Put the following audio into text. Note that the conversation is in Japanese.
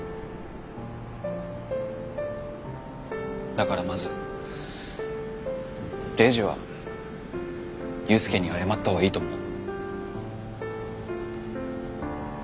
だからまずレイジは裕介に謝った方がいいと思う。